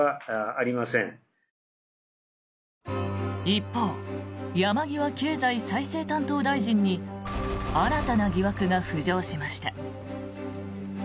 一方、山際経済再生担当大臣に新たな疑惑が浮上しました。